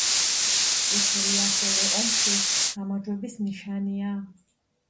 წითელი ასევე ომში გამარჯვების ნიშანია.